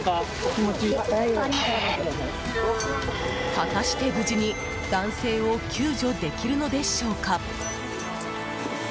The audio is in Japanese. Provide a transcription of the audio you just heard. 果たして無事に男性を救助できるのでしょうか。